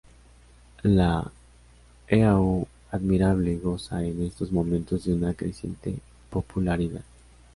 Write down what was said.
La Eau Admirable goza en estos momentos de una creciente popularidad.